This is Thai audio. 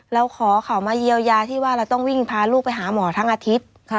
เราขอเขามาเยียวยาที่ว่าเราต้องวิ่งพาลูกไปหาหมอทั้งอาทิตย์